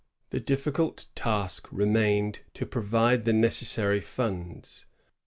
The difficult task remained to provide the neces sary funds.